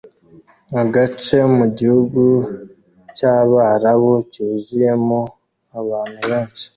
Agace mu gihugu cyabarabu cyuzuyemo abantu benshi